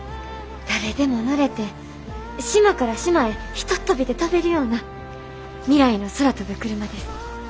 誰でも乗れて島から島へひとっ飛びで飛べるような未来の空飛ぶクルマです。